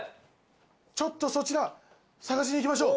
ちょっとそちら探しに行きましょう。